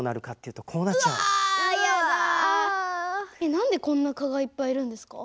何でこんな蚊がいっぱいいるんですか？